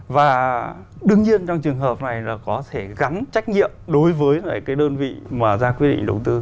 và đương nhiên trong trường hợp này là có thể gắn trách nhiệm đối với lại cái đơn vị mà ra quy định đầu tư